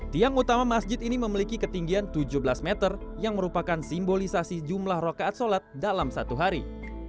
tiang utama masjid ini memiliki ketinggian tujuh belas meter yang merupakan simbolisasi jumlah rokaat sholat dalam satu hari